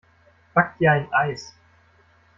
Back dir ein Eis!